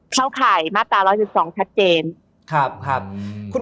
เข้าข่ายมาตร๑๑๒ชัดเจน